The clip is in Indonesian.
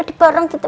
hidup apa ini